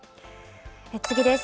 次です。